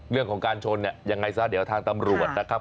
เรื่องของการชนเนี่ยยังไงซะเดี๋ยวทางตำรวจนะครับ